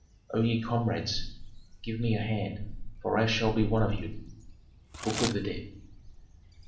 "O ye comrades, give me a hand, for I shall be one of you." "Book of the Dead."